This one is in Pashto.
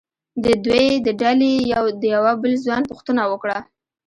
د دوی د ډلې د یوه بل ځوان پوښتنه وکړه.